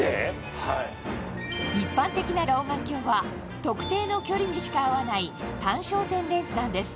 一般的な老眼鏡は特定の距離にしか合わない単焦点レンズなんです